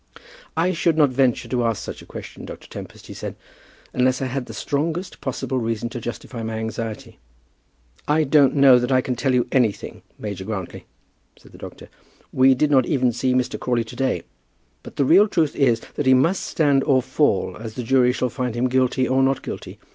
"I should not venture to ask such a question, Dr. Tempest," he said, "unless I had the strongest possible reason to justify my anxiety." "I don't know that I can tell you anything, Major Grantly," said the doctor. "We did not even see Mr. Crawley to day. But the real truth is that he must stand or fall as the jury shall find him guilty or not guilty.